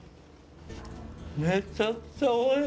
めちゃくちゃ美味しい